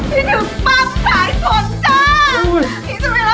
พี่ถึงปั๊บถ่ายฝนจ้า